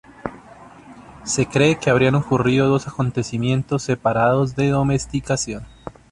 Se cree que habrían ocurrido dos acontecimientos separados de domesticación.